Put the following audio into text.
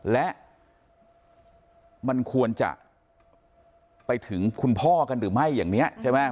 และมันควรจะไปถึงคุณพ่อกันหรือไม่อย่างนี้ใช่ไหม